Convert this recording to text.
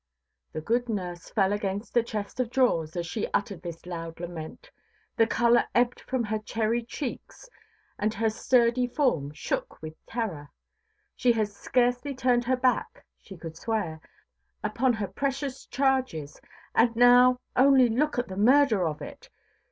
The good nurse fell against a chest of drawers, as she uttered this loud lament; the colour ebbed from her cherry cheeks, and her sturdy form shook with terror. She had scarcely turned her back, she could swear, upon her precious charges; and now only look at the murder of it!